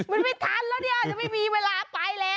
มันไม่ทันแล้วเนี่ยจะไม่มีเวลาไปแล้ว